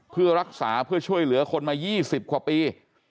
เพื่อรักษาเพื่อช่วยเหลือคนมา๒๐กว่าปี